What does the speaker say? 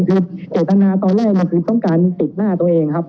คือเจตนาตอนแรกคือต้องการติดหน้าตัวเองครับ